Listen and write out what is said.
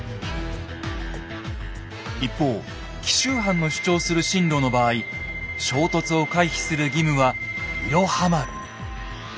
一方紀州藩の主張する進路の場合衝突を回避する義務は「いろは丸」に。